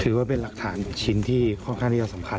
ถือว่าเป็นหลักฐานชิ้นที่ค่อนข้างที่จะสำคัญ